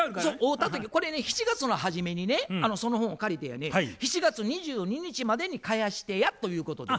これね７月の初めにねその本を借りてやね７月２２日までに返してやということでね。